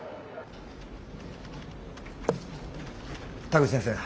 田口先生